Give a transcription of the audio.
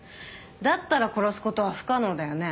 だったら殺すことは不可能だよね？